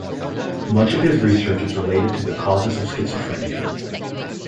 Much of his research is related to the causes of schizophrenia.